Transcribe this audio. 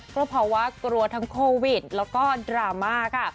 ก็เพราะว่ากลัวทั้งโควิดแล้วก็ดราม่าค่ะ